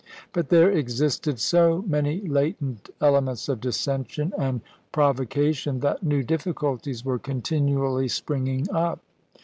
But there existed so many latent elements of dissension and provo cation that new difficulties were continually spring ing up.